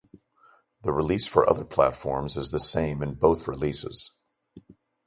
The release for other platforms is the same in both releases.